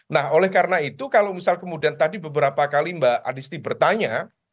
nah oleh karena itu kalau misal kemudian tadi beberapa kali mbak adisti bertanya